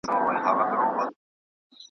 په تياره كي د جگړې په خلاصېدو سو .